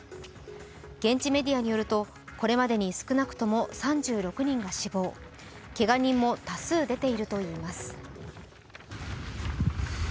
現地メディアによるとこれまでに少なくとも３６人が死亡、けが人も多数出ているといいます。